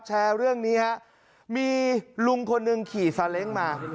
แชร์เรื่องนี้ฮะมีลุงคนหนึ่งขี่ซาเล้งมา